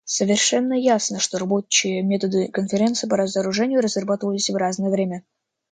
Совершенно ясно, что рабочие методы Конференции по разоружению разрабатывались в разное время.